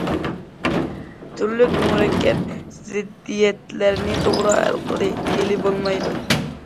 تۈرلۈك مۇرەككەپ زىددىيەتلەرنى توغرا ھەل قىلدى دېگىلى بولمايدۇ.